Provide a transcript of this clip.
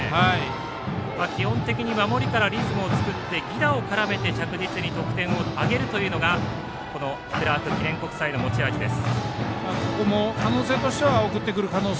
基本的に守りからリズムを作って犠打を絡めて着実に得点を挙げるというのがクラーク記念国際の持ち味です。